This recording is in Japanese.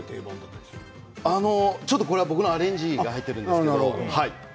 これは僕のアレンジが入っているんですけれど。